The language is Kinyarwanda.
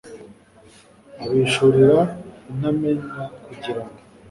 abihishurira intamenywa, kugira ngo